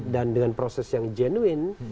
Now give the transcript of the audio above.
dan dengan proses yang genuin